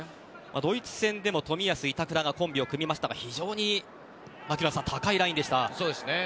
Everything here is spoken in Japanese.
ドイツ戦でも冨安、板倉がコンビを組みましたが非常に、槙野さん高いラインでした。